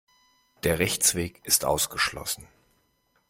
Der Rechtsweg ist ausgeschlossen.